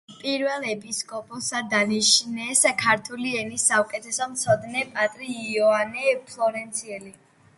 პირველ ეპისკოპოსად დანიშნეს ქართული ენის საუკეთესო მცოდნე პატრი იოანე ფლორენციელი.